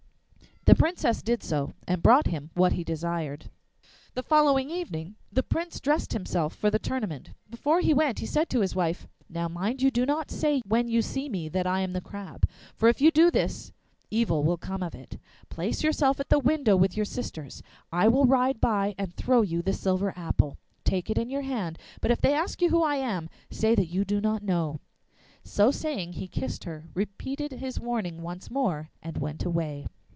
The Princess did so, and brought him what he desired. The following evening the Prince dressed himself for the tournament. Before he went he said to his wife, 'Now mind you do not say when you see me that I am the Crab. For if you do this evil will come of it. Place yourself at the window with your sisters; I will ride by and throw you the silver apple. Take it in your hand, but if they ask you who I am, say that you do not know.' So saying, he kissed her, repeated his warning once more, and went away.